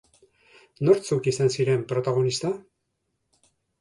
Nortzuk izan ziren protagonista?